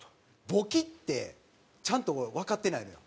簿記ってちゃんとわかってないのよ。